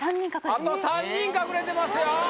あと３人隠れてますよ